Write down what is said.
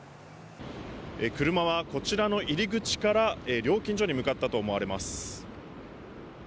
車は、こちらの入り口から料金所に向かったと思われます。